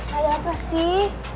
hari apa sih